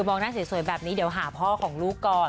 มองหน้าสวยแบบนี้เดี๋ยวหาพ่อของลูกก่อน